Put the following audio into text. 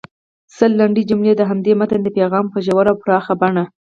سل لنډې جملې د همدې متن د پیغام په ژوره او پراخه بڼه